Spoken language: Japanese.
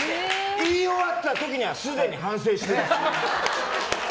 言い終わった時にはすでに反省してます。